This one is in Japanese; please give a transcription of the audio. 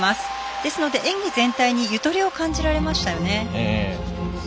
ですので、演技全体にゆとりを感じられましたよね。